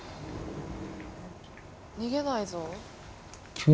逃げないぞ。